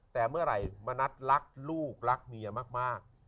แต่เมื่อไหร่มณัฐรักลูกรักเมียมาก